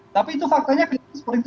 tapi itu faktanya kelihatan seperti itu